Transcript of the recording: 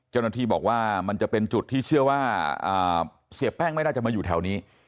เจ้าหน้าที่บอกว่ามันจะเป็นจุดที่เชื่อว่าเสียแป้งไม่น่าจะมาอยู่แถวนี้